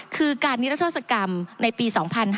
คือการนิตรโทษกรรมในปี๒๕๒๑